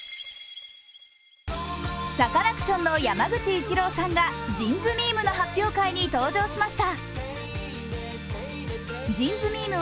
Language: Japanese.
サカナクションの山口一郎さんがＪＩＮＳＭＥＭＥの発表会に登場しました。